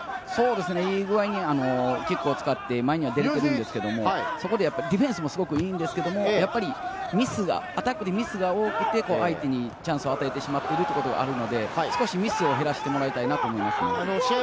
いい具合にキックを使って前に出てるんですけれど、そこでディフェンスもすごくいいんですけれど、アタックでミスが多くて、相手にチャンスを与えてしまってるということがあるので、少しミスを減らしてもらいたいなと思います。